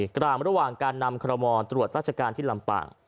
กลางระหว่างการนำคอรมอลตรวจราชการที่ลำปาง